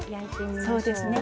そうですね。